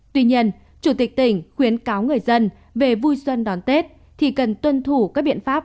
tuy nhiên chủ tịch tỉnh khuyến cáo người dân về vui xuân đón tết thì cần tuân thủ các biện pháp